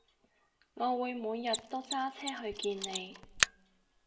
我會每日都揸車去見你